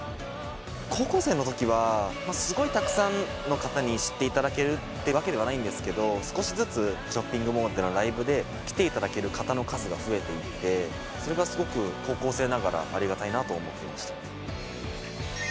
高校生のときはすごいたくさんの方に知っていただけるってわけではないんですけど少しずつショッピングモールでのライブで来ていただける方の数が増えていってそれがすごく高校生ながらありがたいなと思っていました。